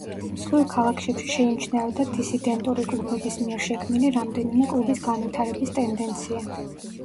მსხვილ ქალაქებში შეიმჩნეოდა დისიდენტური კლუბების მიერ შექმნილი რამდენიმე კლუბის განვითარების ტენდენცია.